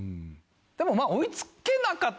でも。